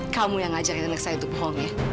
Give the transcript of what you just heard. kamu yang ngajarin anak saya untuk bohong ya